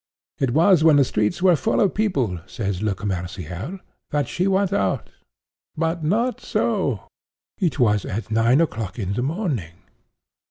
'It was when the streets were full of people,' says Le Commerciel, 'that she went out.' But not so. It was at nine o'clock in the morning.